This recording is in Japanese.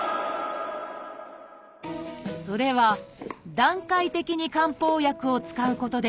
それは段階的に漢方薬を使うことでした。